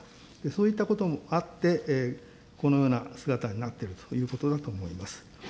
そういったこともあって、このような姿になっているということだと思います。